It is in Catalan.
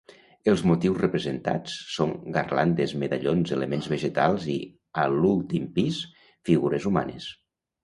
Els motius representants són garlandes, medallons, elements vegetals i, a l'últim pis, figures humanes.